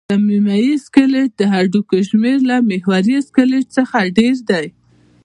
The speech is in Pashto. ضمیموي سکلېټ د هډوکو شمېر له محوري سکلېټ څخه ډېر دی.